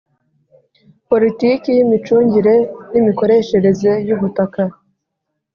Politiki y imicungire n imikoreshereze y ubutaka